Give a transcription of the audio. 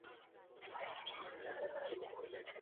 Catedrático de Historia Moderna en la Universidad de Barcelona.